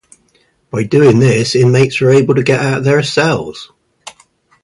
By doing this inmates were able to get out of their cells.